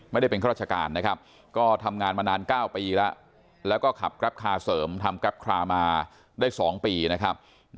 ไม่ได้เป็นข้าราชการนะครับก็ทำงานมานาน๙ปีแล้วแล้วก็ขับแกรปคาร์เสริมทำแกรปครามาได้๒ปีนะครับ